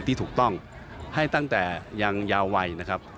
ที่ถูกต้องให้ตั้งแต่ยังยาววัยนะครับ